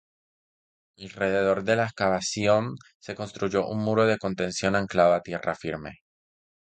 Alrededor de la excavación se construyó un muro de contención anclado a tierra firme.